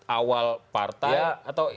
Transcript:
awal partai atau